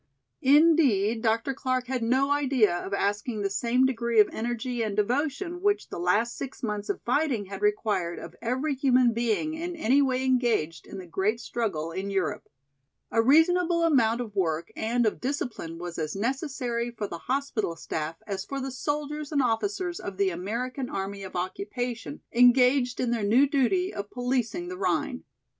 Indeed Dr. Clark had no idea of asking the same degree of energy and devotion which the last six months of fighting had required of every human being in any way engaged in the great struggle in Europe. A reasonable amount of work and of discipline was as necessary for the hospital staff as for the soldiers and officers of the American Army of Occupation engaged in their new duty of policing the Rhine.